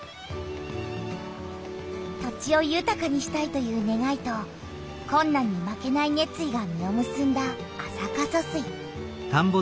土地をゆたかにしたいというねがいとこんなんに負けないねつ意が実をむすんだ安積疏水。